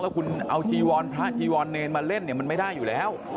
คุณเอาจีวรพระจีวรเนรมาเล่นเนี่ยมันไม่ได้อยู่แล้ว